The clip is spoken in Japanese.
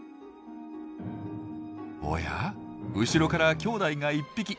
おや後ろからきょうだいが１匹。